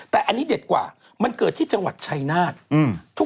แต่อันนี้เด็ดกว่ามันเกิดที่จังหวัดชายนาฏ